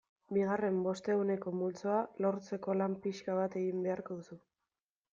Bigarren bostehuneko multzoa lortzeko lan pixka bat egin beharko duzu.